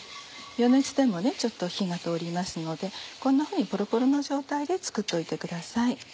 余熱でもちょっと火が通りますのでこんなふうにポロポロの状態で作っておいてください。